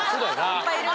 いっぱいいる。